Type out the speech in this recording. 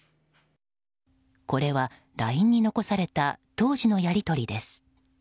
これはＬＩＮＥに残された当時のやり取りです。